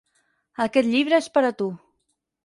Aquest llibre és per a tu.